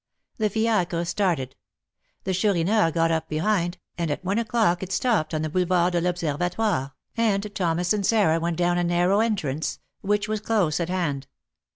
The fiacre started. The Chourineur got up behind, and at one o'clock it stopped on the Boulevard de l'Observatoire, and Thomas and Sarah went down a narrow entrance, which was close at hand.